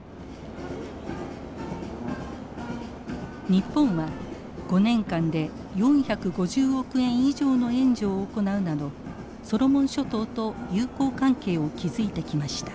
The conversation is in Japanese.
日本は５年間で４５０億円以上の援助を行うなどソロモン諸島と友好関係を築いてきました。